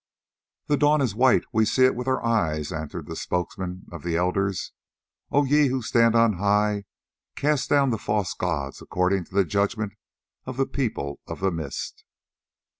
"The dawn is white! We see it with our eyes," answered the spokesmen of the elders. "O ye who stand on high, cast down the false gods according to the judgment of the People of the Mist."